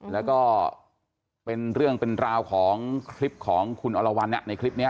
แล้วก็เป็นเรื่องเป็นราวของคลิปของคุณอรวรรณในคลิปนี้